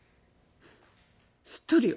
「知っとるよ」。